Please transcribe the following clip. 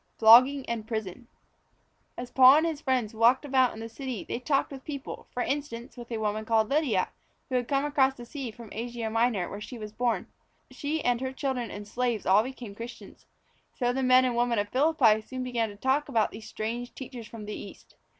Flogging and Prison. As Paul and his friends walked about in the city they talked with people; for instance, with a woman called Lydia, who also had come across the sea from Asia Minor where she was born. She and her children and slaves all became Christians. So the men and women of Philippi soon began to talk about these strange teachers from the East.